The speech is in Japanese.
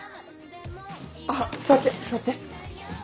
あっ座って座って！